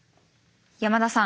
山田さん。